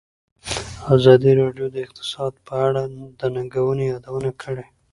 ازادي راډیو د اقتصاد په اړه د ننګونو یادونه کړې.